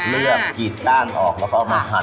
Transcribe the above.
เลือกกีดก้านออกแล้วก็มาหัน